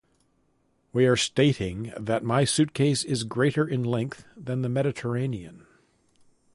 We are stating that my suitcase is greater in length than the Mediterranean.